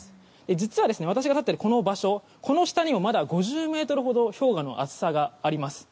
実は、私が立っているこの場所この下にもまだ５０ｍほど氷河の厚さがあります。